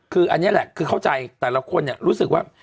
คืออันนี้แหละคือเข้าใจแต่ละคนเนี่ยรู้สึกว่า